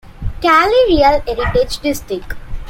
Calle Real Heritage District.